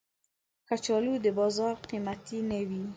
کچالو د بازار قېمتي نه وي